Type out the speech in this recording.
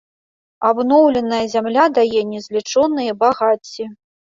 Абноўленая зямля дае незлічоныя багацці.